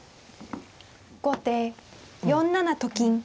後手４七と金。